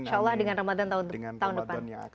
insya allah dengan ramadan tahun depan